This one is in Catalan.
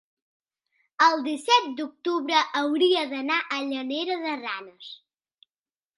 El disset d'octubre hauria d'anar a Llanera de Ranes.